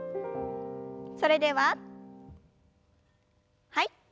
それでははい。